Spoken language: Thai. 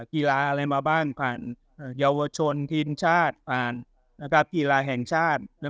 กีฬาอะไรมาบ้างผ่านเยาวชนทีมชาติอ่านกีฬาแห่งชาติ